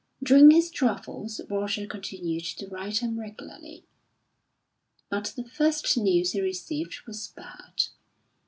During his travels Roger continued to write home regularly; but the first news he received was bad.